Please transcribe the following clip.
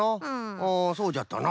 ああそうじゃったな。